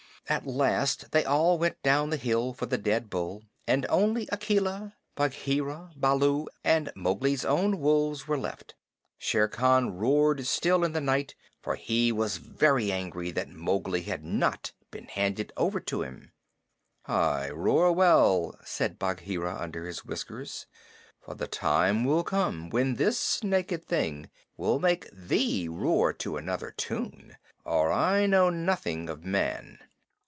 At last they all went down the hill for the dead bull, and only Akela, Bagheera, Baloo, and Mowgli's own wolves were left. Shere Khan roared still in the night, for he was very angry that Mowgli had not been handed over to him. "Ay, roar well," said Bagheera, under his whiskers, "for the time will come when this naked thing will make thee roar to another tune, or I know nothing of man."